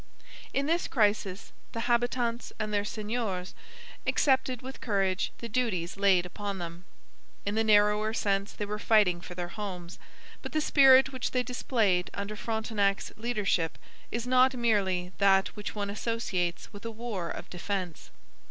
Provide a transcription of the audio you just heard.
In this crisis the habitants and their seigneurs accepted with courage the duties laid upon them. In the narrower sense they were fighting for their homes, but the spirit which they displayed under Frontenac's leadership is not merely that which one associates with a war of defence.